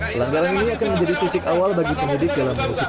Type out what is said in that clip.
pelanggaran ini akan menjadi titik awal bagi penyidik dalam mengusut